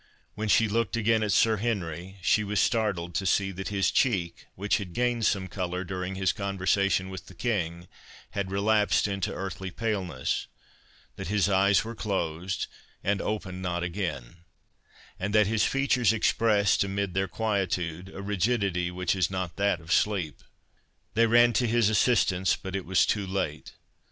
When she looked again at Sir Henry, she was startled to see that his cheek, which had gained some colour during his conversation with the King, had relapsed into earthly paleness; that his eyes were closed, and opened not again; and that his features expressed, amid their quietude, a rigidity which is not that of sleep. They ran to his assistance, but it was too late.